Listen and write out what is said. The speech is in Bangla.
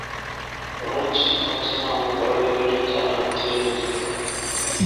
মনে হচ্ছে, আজ যেন আমার ভরা হৃদয়টি তার হাতে দিয়ে যেতে পারব।